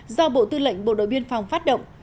do bộ tư lệnh bộ đội biên phòng phát động